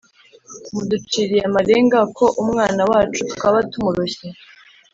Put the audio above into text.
muduciriye amarenga ko umwana wacu twaba tumuroshye”